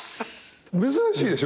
珍しいでしょ